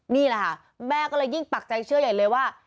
นี่แหละค่ะแม่ก็เลยยิ่งปักใจเชื่อใหญ่เลยว่า